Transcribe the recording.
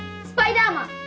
スパイダーマン！